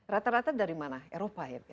rata rata dari mana eropa ya